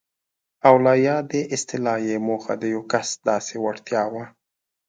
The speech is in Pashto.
او له یادې اصطلاح یې موخه د یو کس داسې وړتیا وه.